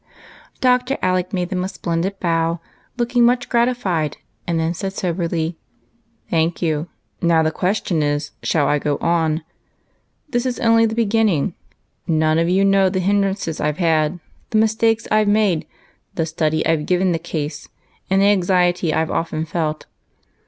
Dr. Alec made them a splendid bow, looking much gratified, and then said soberly, — "Thank you; now the question is, shall I ^o on? — for this is only the beginning. None of you know the hinderances I've had, the mistakes I've made, the study I 've given the case, and. the anxiety I 've often felt.